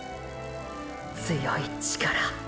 強い力！！